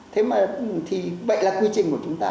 thế mà thì vậy là quy trình của chúng ta